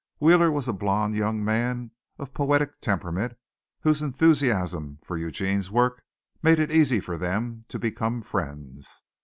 Wheeler was a blond young man of poetic temperament, whose enthusiasm for Eugene's work made it easy for them to become friends.